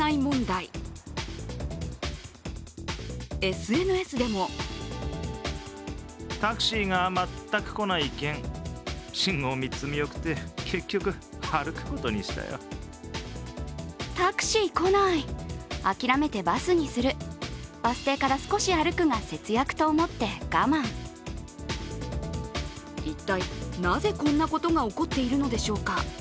ＳＮＳでも一体なぜこんなことが起こっているのでしょうか。